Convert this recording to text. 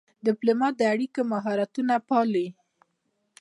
ډيپلومات د اړیکو مهارتونه پالي.